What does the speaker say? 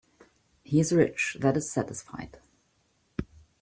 He is rich that is satisfied.